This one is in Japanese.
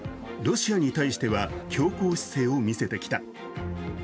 ロシアに対しては強硬姿勢を見せてきた。